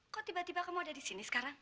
kenapa tiba tiba kamu sudah di sini sekarang